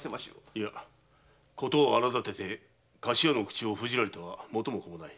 いや事を荒だてて菓子屋の口を封じられては元も子もない。